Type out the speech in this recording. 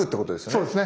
そうですね。